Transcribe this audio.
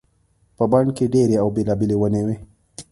په بڼ کې ډېرې او بېلابېلې ونې وي.